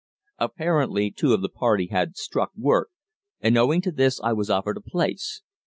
Apparently two of the party had struck work, and owing to this I was offered a place.